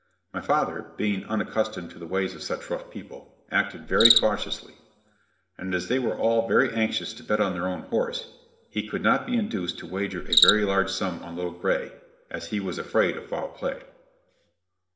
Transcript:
My father, being unaccustomed to the ways of such rough people, acted very cautiously; and as they were all very anxious to bet on their own horse, he could not be induced to wager a very large sum on Little Gray, as he was afraid of foul play.